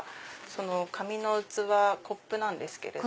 紙の器コップなんですけど。